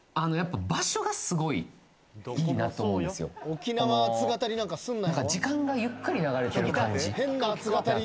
沖縄熱語りなんかすんなよ。